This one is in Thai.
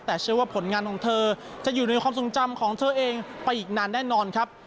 แต่เชื่อว่าผลงานของเธอจะอยู่ในความทรงจำของเธอเองไปอีกนานแน่นอนครับ